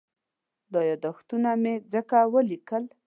دا یادښتونه مې ځکه وليکل.